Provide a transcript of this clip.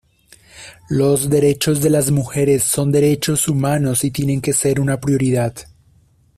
Los derechos de las mujeres son derechos humanos y tienen que ser una prioridad".